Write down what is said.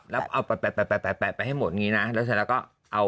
แล้วเอาแปลกไปให้หมดเลยเสร็จแล้วก็เอา